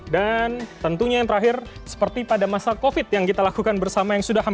dan tentunya yang terakhir seperti pada masa covid yang kita lakukan bersama yang sudah lama